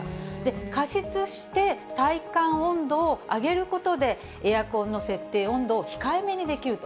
加湿して体感温度を上げることで、エアコンの設定温度を控えめにできると。